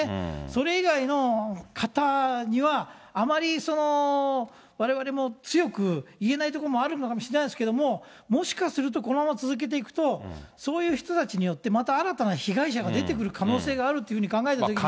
それ以外の方には、あまりわれわれも、強く言えないところもあるのかもしれないですけれども、もしかするとこのまま続けていくと、そういう人たちによって、また新たな被害者が出てくる可能性があるということを考えたとき